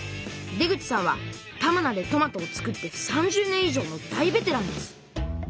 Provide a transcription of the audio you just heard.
出口さんは玉名でトマトを作って３０年以上の大ベテランです。